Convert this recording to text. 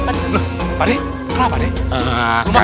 pak d pak d kenapa pak d